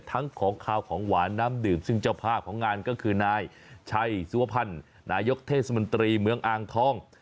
ของขาวของหวานน้ำดื่มซึ่งเจ้าภาพของงานก็คือนายชัยสุวพันธ์นายกเทศมนตรีเมืองอ่างทอง